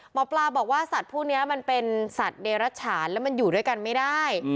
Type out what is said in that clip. หมอปลาบอกว่าสัตว์พวกนี้มันเป็นสัตว์เดรัชฉานแล้วมันอยู่ด้วยกันไม่ได้